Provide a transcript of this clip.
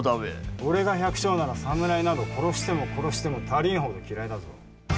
俺が百姓なら、侍など殺しても殺しても足りんほど嫌いだぞ。